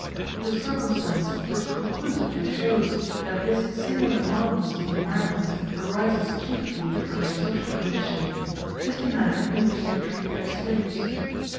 The circumstance which conclusively shows that this singular mildness of the Americans arises chiefly from their social condition, is the manner in which they treat their slaves.